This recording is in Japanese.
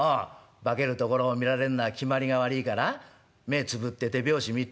『化けるところを見られんのはきまりが悪いから目ぇつぶって手拍子３つ打て』？